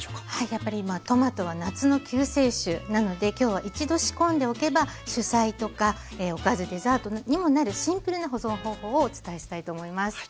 やっぱり今トマトは夏の救世主なので今日は一度仕込んでおけば主菜とかおかずデザートにもなるシンプルな保存方法をお伝えしたいと思います。